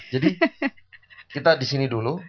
jadi kita disini dulu